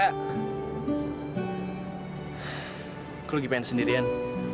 aku lagi pengen sendirian